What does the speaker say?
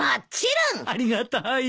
ありがたい。